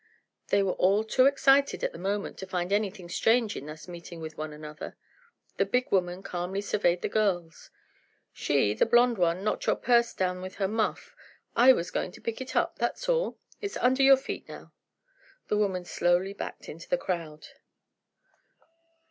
They were all too excited at the moment to find anything strange in thus meeting with one another. The big woman calmly surveyed the girls: "She, the blond one, knocked your purse down with her muff, I was goin' to pick it up, that's all. It's under your feet now." The woman slowly backed into the crowd.